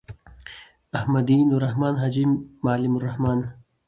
احمدی.نوالرحمن.حاجی معلم الرحمن